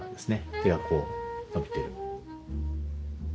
手がこう伸びてる。